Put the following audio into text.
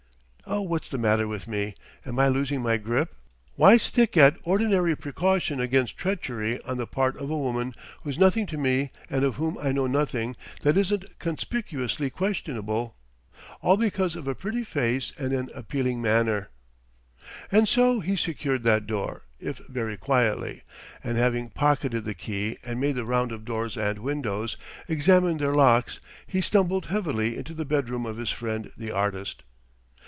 Oh, what's the matter with me? Am I losing my grip? Why stick at ordinary precaution against treachery on the part of a woman who's nothing to me and of whom I know nothing that isn't conspicuously questionable?... All because of a pretty face and an appealing manner!" And so he secured that door, if very quietly; and having pocketed the key and made the round of doors and windows, examining their locks, he stumbled heavily into the bedroom of his friend the artist.